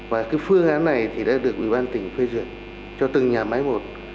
và cái phương án này thì đã được ủy ban tỉnh phê duyệt cho từng nhà máy một